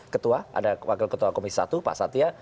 ketua ada wakil ketua komisi satu pak satya